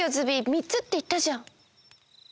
３つっていったじゃん。